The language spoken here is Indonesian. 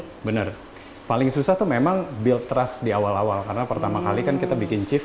iya bener paling susah tuh memang build trust di awal awal karena pertama kali kan kita bikin chief